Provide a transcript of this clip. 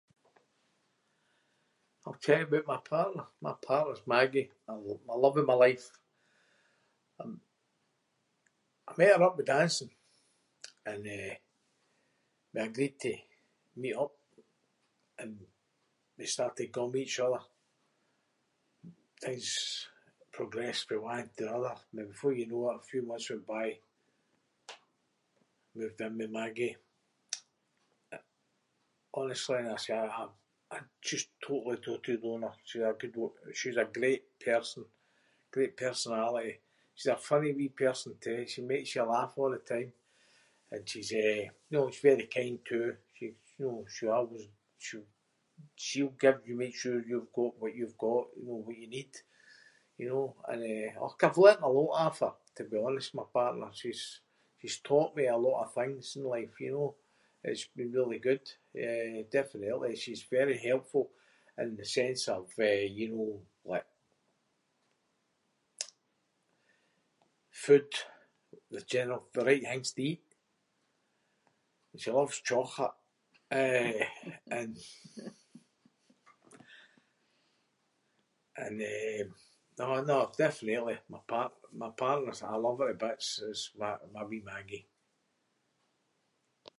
I’ll tell you aboot my partner? My partner’s Maggie- l- the love of my life. I- I met her up the dancing and, eh, we agreed to meet up and we started going with each other. Things progressed fae one to the other and before you know it a few months went by, moved in with Maggie- honestly and I’m [inc] I just totally doted on her. She's a good wom- she’s a great person. Great personality. She's a funny wee person too. She makes you laugh a’ the time and she’s, eh, you know, she’s very kind too. She- you know, [inc] she’ll give y- make sure you’ve got what you’ve got, you know, what you need, you know? And, eh- och I’ve learned a lot off her to be honest, my partner. She’s- she’s taught me a lot of things in life, you know, that's been really good, eh, definitely. She’s very helpful in the sense of, eh, you know, like food- the general- the right things to eat. And she loves chocolate, eh, and- and eh- no, no definitely my part- my partner's- I love her to bits is my- my wee Maggie.